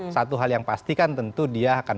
satu hal yang pasti kan tentu dia akan